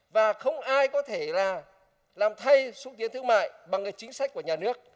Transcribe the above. và không ai có thể làm thay xúc tiến thương mại bằng chính sách của nhà nước